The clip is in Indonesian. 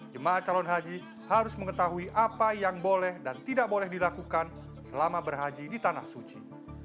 jemaah calon haji harus mengetahui apa yang boleh dan tidak boleh dilakukan selama berhaji di tanah suci